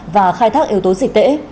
và khai thác yếu tố dịch tễ